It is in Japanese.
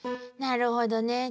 なるほどね。